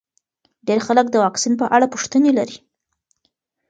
ډېر خلک د واکسین په اړه پوښتنې لري.